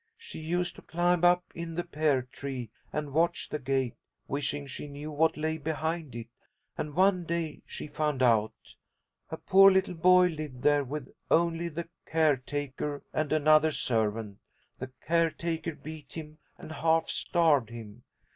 "She used to climb up in the pear tree and watch the gate, wishing she knew what lay behind it, and one day she found out. A poor little boy lived there with only the care taker and another servant. The care taker beat him and half starved him.